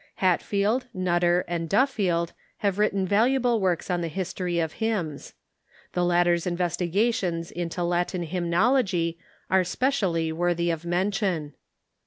Hatfield, Nutter, and Dufiield have written valuable books on the history of hymns. The latter's investigations into Latin hymnology are specially worthy of mention.